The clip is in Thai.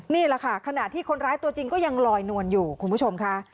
นี่แหละค่ะขณะที่คนร้ายตัวจริงก็ยังลอยนวลอยู่คุณผู้ชมค่ะ